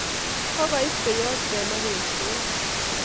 Kakaib kweyot kenab en soit